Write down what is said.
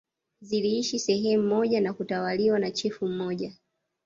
Ziliishi sehemu moja na kutawaliwa na chifu mmoja